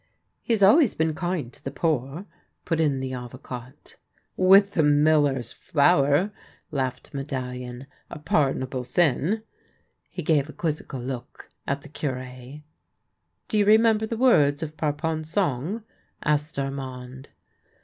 He has always been kind to the poor," put in the Avocat. " With the miller's flour," laughed Medallion :" a pardonable sin." He gave a quizzical look at the Cure. " Do you remember the words of Parpon's song? " asked Armand.